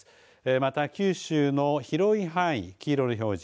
また、九州の広い範囲黄色い表示